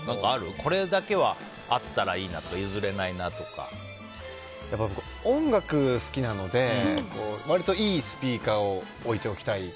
これだけはあったらいいなとか僕、音楽好きなので割といいスピーカーを置いておきたい。